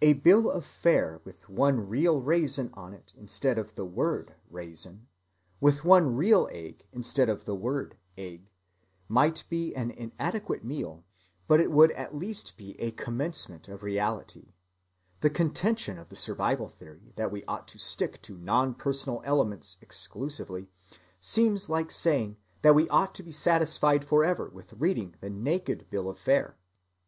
A bill of fare with one real raisin on it instead of the word "raisin," with one real egg instead of the word "egg," might be an inadequate meal, but it would at least be a commencement of reality. The contention of the survival‐theory that we ought to stick to non‐personal elements exclusively seems like saying that we ought to be satisfied forever with reading the naked bill of fare.